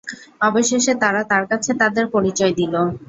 অবশেষে তারা তার কাছে তাদের পরিচয় দিল।